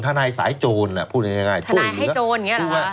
ทนายสายโจรอ่ะพูดง่ายง่ายทนายให้โจรอย่างเงี้ยเหรอคือว่า